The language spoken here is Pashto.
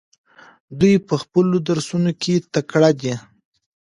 دوی په خپلو درسونو کې تکړه دي.